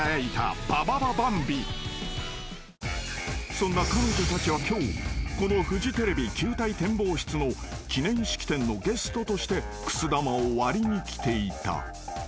［そんな彼女たちは今日このフジテレビ球体展望室の記念式典のゲストとしてくす玉を割りに来ていた］